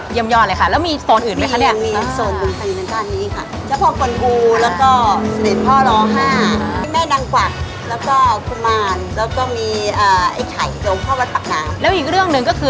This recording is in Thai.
ถือว่าดีมากเลยนะคะ